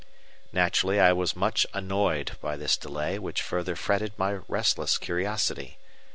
Naturally, I was much annoyed by this delay which further fretted my restless curiosity.